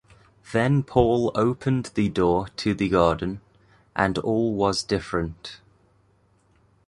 Then Paul opened the door to the garden, and all was different.